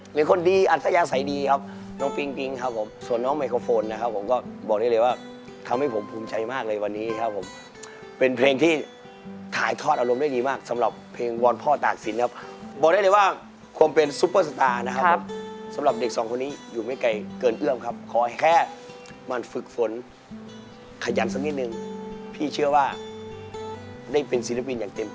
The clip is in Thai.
เป็นคนดีอัธยาศัยดีครับน้องปิ๊งปิ๊งครับผมส่วนน้องไมโครโฟนนะครับผมก็บอกได้เลยว่าทำให้ผมภูมิใจมากเลยวันนี้ครับผมเป็นเพลงที่ถ่ายทอดอารมณ์ได้ดีมากสำหรับเพลงวอนพ่อตากสินครับบอกได้เลยว่าความเป็นซุปเปอร์สตาร์นะครับสำหรับเด็กสองคนนี้อยู่ไม่ไกลเกินเอื้อมครับขอแค่มาฝึกฝนขยันสักนิดนึงพี่เชื่อว่าได้เป็นศิลปินอย่างเต็ม